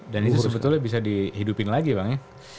dan itu sebetulnya bisa dihidupin lagi bang ya